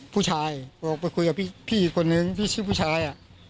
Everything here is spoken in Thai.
ผู้ชายบอกไปคุยกับพี่อีกคนนึงที่ชื่อผู้ชาย